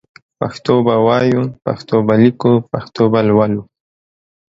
پښتو به وايو پښتو به ليکو پښتو به لولو